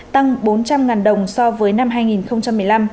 tăng bốn trăm linh đồng so với năm hai nghìn một mươi năm